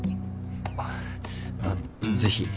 あっぜひ。